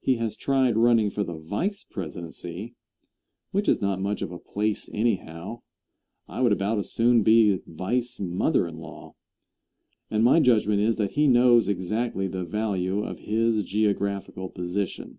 He has tried running for the vice presidency, which is not much of a place anyhow I would about as soon be vice mother in law and my judgment is that he knows exactly the value of his geographical position.